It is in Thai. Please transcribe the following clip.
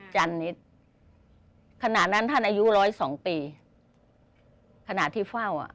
จันนิดขณะนั้นท่านอายุร้อยสองปีขณะที่เฝ้าอ่ะ